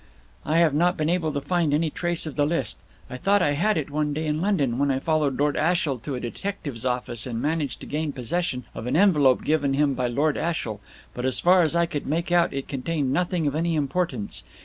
"I have not been able to find any trace of the list. I thought I had it one day in London, when I followed Lord Ashiel to a detective's office, and managed to gain possession of an envelope given him by Lord Ashiel, but as far as I could make out it contained nothing of any importance.